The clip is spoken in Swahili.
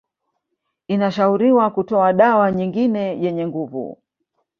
Inashauriwa kutoa dawa nyingine yenye nguvu